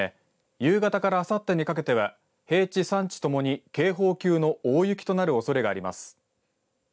夕方からあさってにかけては平地山地ともに警報級の大雪となるおそれがあります。